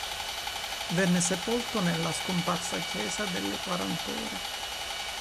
Venne sepolto nella scomparsa chiesa delle Quarant'ore.